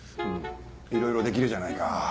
いろいろできるじゃないか。